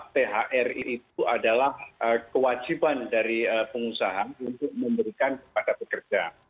thr itu adalah kewajiban dari pengusaha untuk memberikan kepada pekerja